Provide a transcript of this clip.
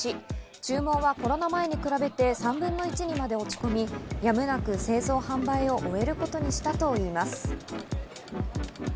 注文はコロナ前に比べて３分の１にまで落ち込み、やむなく製造・販売を終えることにしたといいます。